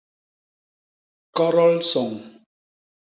Kodol soñ.